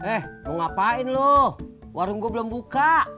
eh lu ngapain lu warung gue belom buka